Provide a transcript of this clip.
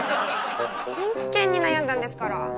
真剣に悩んだんですから。